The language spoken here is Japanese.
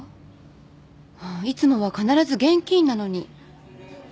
いつもは必ず現金なのに。